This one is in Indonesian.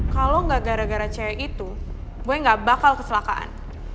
kalau nggak gara gara cewek itu gue gak bakal keselakaan